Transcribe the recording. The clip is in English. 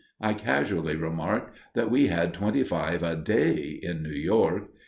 I casually remarked that we had twenty five a day in New York.